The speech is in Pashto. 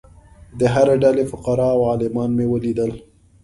د هرې ډلې فقراء او عالمان مې ولیدل.